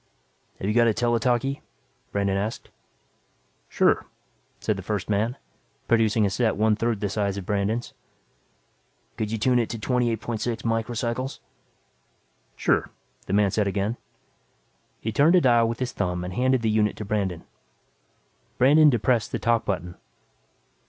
"Have you got a tele talkie?" Brandon asked. "Sure," said the first man, producing a set one third the size of Brandon's. "Could you tune it to 28.6 microcycles?" "Sure," the man said again. He turned a dial with his thumb and handed the unit to Brandon. Brandon depressed the "talk" button.